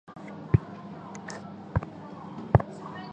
本剧获得过多个电视奖项的肯定。